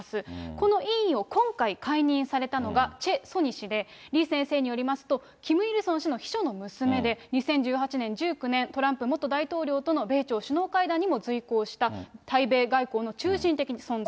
この委員を今回、解任されたのがチェ・ソニ氏で、李先生によりますと、キム・イルソン氏の秘書の娘で、２０１８年、１９年、トランプ元大統領との米朝首脳会談にも随行した、対米外交の中心的存在。